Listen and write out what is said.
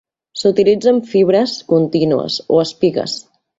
S'utilitzen fibres contínues o espigues.